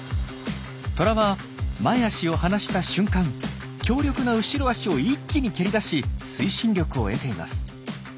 トラは前足を離した瞬間強力な後ろ足を一気に蹴り出し推進力を得ています。